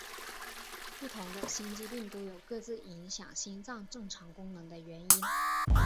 不同的心肌病都有各自影响心脏正常功能的原因。